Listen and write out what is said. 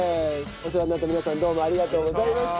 お世話になった皆さんどうもありがとうございました。